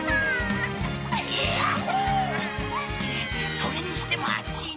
それにしても暑いな。